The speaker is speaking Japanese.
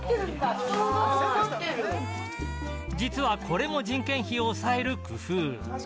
実はこれも人件費を抑える工夫。